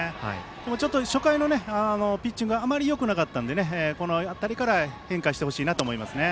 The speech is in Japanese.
でもちょっと初回のピッチングあまりよくなかったのでこの辺りから変化してほしいなと思いますね。